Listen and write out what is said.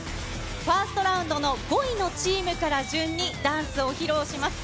ファーストラウンドの５位のチームから順に、ダンスを披露します。